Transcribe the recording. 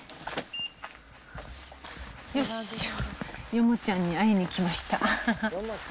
よし、ヨモちゃんに会いに来ました。